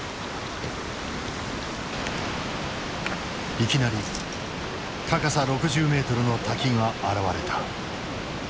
いきなり高さ６０ｍの滝が現れた。